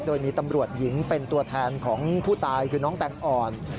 โดยมีตำรวจหญิงเป็นตัวแทนของผู้ตายคือน้องแตงอ่อน